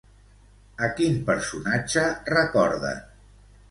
A quin personatge recorden?